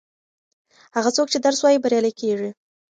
هغه څوک چې درس وايي بریالی کیږي.